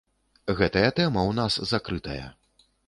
Гэтая тэма ў нас закрытая.